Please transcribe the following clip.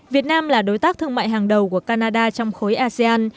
việt nam là đối tác thương mại hàng đầu của canada trong khối asean